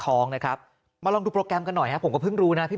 ท้องนะครับมาลองดูโปรแกรมกันหน่อยฮะผมก็เพิ่งรู้นะพี่